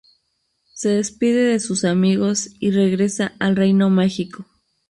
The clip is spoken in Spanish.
Se despide de sus amigos, y regresa al Reino Mágico.